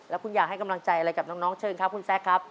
แล้วคุณอยากให้กำลังใจอะไรกับน้องเชิญครับคุณแซคครับ